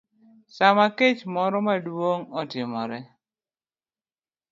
Sama kech moro maduong' otimore,